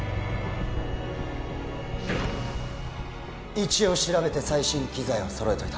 一応調べて最新機材を揃えといた